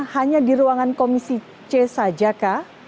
hanya di ruangan komisi c saja kah